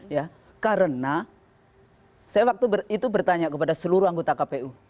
ya karena saya waktu itu bertanya kepada seluruh anggota kpu